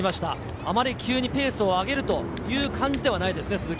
あまり急にペースを上げるという感じではないですね、鈴木